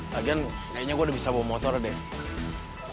lagian kayaknya gue udah bisa bawa motor deh